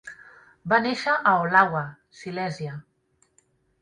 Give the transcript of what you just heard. Va néixer a Olawa, Silèsia.